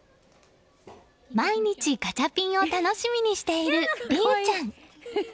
毎日、ガチャピンを楽しみにしている莉結ちゃん。